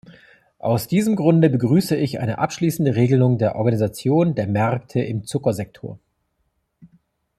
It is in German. Aus diesem Grunde begrüße ich eine abschließende Regelung der Organisation der Märkte im Zuckersektor.